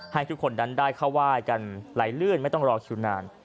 ให้ทุกคนนั้นได้เข้าไหว้กันไหลลื่นไม่ต้องรอคิวนาน